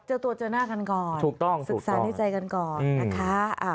ก็ต้องกดเจอหน้ากันก่อนศึกษาในใจกันก่อนนะคะ